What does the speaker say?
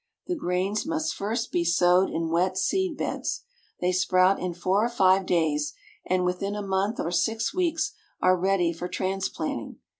The grains must first be sowed in wet seed beds. They sprout in four or five days, and within a month or six weeks are ready for transplant ing.